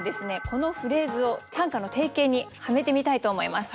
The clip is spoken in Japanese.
このフレーズを短歌の定型にはめてみたいと思います。